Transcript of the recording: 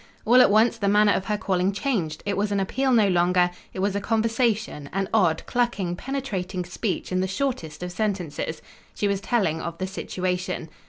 All at once the manner of her calling changed; it was an appeal no longer; it was a conversation, an odd, clucking, penetrating speech in the shortest of sentences. She was telling of the situation.